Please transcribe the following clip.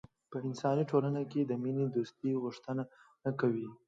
په انساني ټولنه کې د مینې دوستۍ غوښتنه کوي.